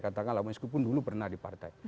katakan lamu iskubun dulu pernah di partai